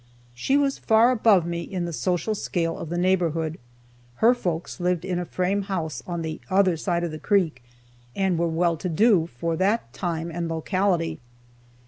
She was far above me in the social scale of the neighborhood. Her folks lived in a frame house on "the other side of the creek," and were well to do, for that time and locality.